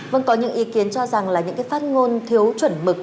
vâng có những ý kiến cho rằng là những cái phát ngôn thiếu chuẩn mực